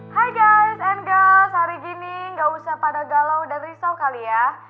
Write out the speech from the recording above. hai guys and girls hari gini gak usah pada galau dan risau kali ya